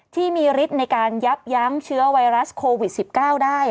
ที่มีฤทธิ์ในการยับยั้งเชื้อไวรัสโควิด๑๙ได้